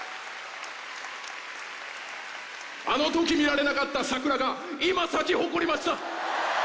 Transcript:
あのとき見られなかった桜が今、咲き誇りました！